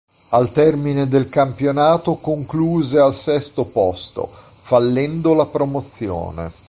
Al termine del campionato concluse al sesto posto, fallendo la promozione.